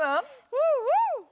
うんうん！